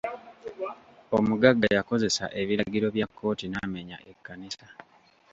Omugagga yakozesa ebiragiro bya kkooti n'amenya ekkanisa.